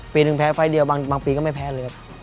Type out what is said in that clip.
ปีหนึ่งแพ้ไฟล์เดียวบางปีก็ไม่แพ้เลยครับ